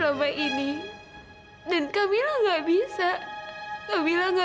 maafin mila yang tante kelembirna